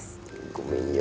ごめんよ。